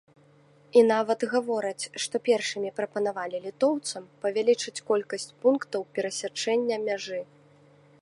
І нават гавораць, што першымі прапанавалі літоўцам павялічыць колькасць пунктаў перасячэння мяжы.